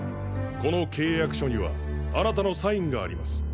この契約書にはあなたのサインがあります。